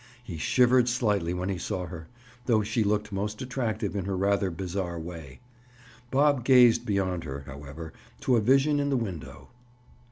He shivered slightly when he saw her, though she looked most attractive in her rather bizarre way. Bob gazed beyond her, however, to a vision in the window.